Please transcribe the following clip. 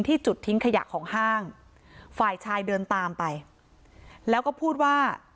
จุดทิ้งขยะของห้างฝ่ายชายเดินตามไปแล้วก็พูดว่า